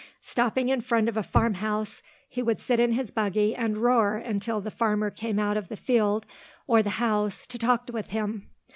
Stopping in front of a farm house he would sit in his buggy and roar until the farmer came out of the field or the house to talk with him.